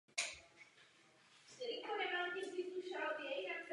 Závodil jako tovární jezdec po celou svou sportovní dráhu pouze na vozech Walter.